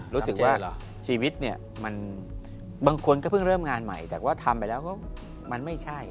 รู้สึกว่าชีวิตเนี่ยมันบางคนก็เพิ่งเริ่มงานใหม่แต่ว่าทำไปแล้วก็มันไม่ใช่